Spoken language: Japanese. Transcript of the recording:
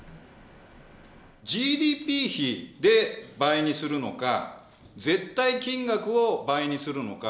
ＧＤＰ比で倍にするのか、絶対金額を倍にするのか。